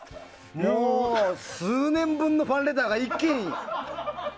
もう数年分のファンレターが一気に。